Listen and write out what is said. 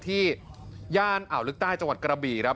ย่านอ่าวลึกใต้จังหวัดกระบี่ครับ